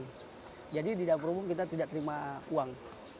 tapi di dapur umum kita tidak terima uang